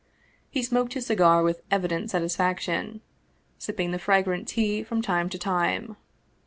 He smoked his cigar with evident satisfaction, sipping the fragrant tea from time to time.